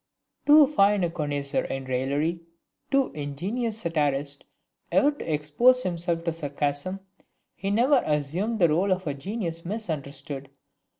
Too fine a connoisseur in raillery, too ingenious satirist ever to expose himself to sarcasm, he never assumed the role of a "genius misunderstood."